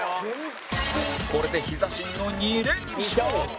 これでヒザ神の２連勝